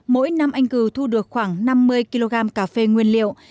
mỗi năm anh cừu thu được khoảng năm mươi kg cà phê nguyên liệu